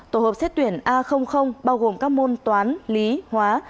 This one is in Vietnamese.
tổ hợp xét tuyển a bao gồm các môn toán lý hóa